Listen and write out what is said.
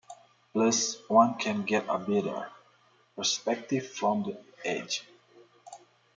Plus, one can get a better perspective from the edge.